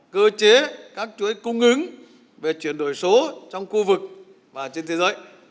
cơ chế các chuỗi cung ứng về chuyển đổi số trong khu vực và trên thế giới